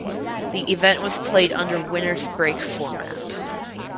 The event was played under "winners break" format.